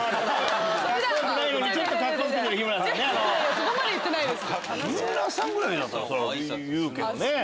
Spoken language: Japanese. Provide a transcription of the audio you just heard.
そこまで言ってないです。